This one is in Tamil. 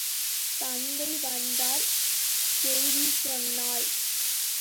தந்தை வந்தார் செய்தி சொன்னாள்.